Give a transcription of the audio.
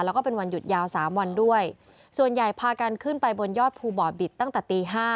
แล้วก็เป็นวันหยุดยาวสามวันด้วยส่วนใหญ่พากันขึ้นไปบนยอดภูบ่อบิตตั้งแต่ตีห้า